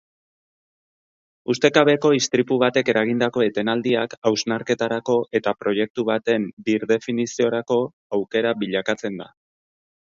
Ustekabeko istripu batek eragindako etenaldiak hausnarketarako eta proiektu baten birdefiniziorako aukera bilakatzen da.